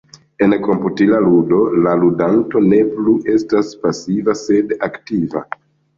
En komputila ludo, la ludanto ne plu estas pasiva sed aktiva.